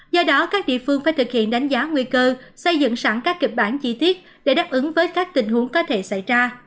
do đó các địa phương phải thực hiện đánh giá nguy cơ xây dựng sẵn các kịch bản chi tiết để đáp ứng với các tình huống có thể xảy ra